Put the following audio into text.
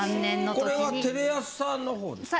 これはテレ朝の方ですか？